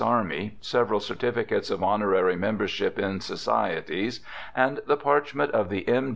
Army, several certificates of honorary membership in societies, and the parchment of the M.